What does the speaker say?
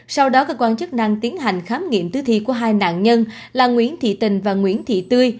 sau đó cơ quan chức năng tiến hành khám nghiệm tử thi của hai nạn nhân là nguyễn thị tình và nguyễn thị tươi